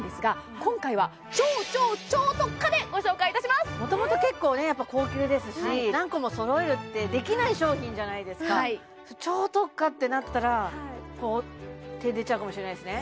今回は元々結構ね高級ですし何個もそろえるってできない商品じゃないですか超特価ってなったら手出ちゃうかもしれないですね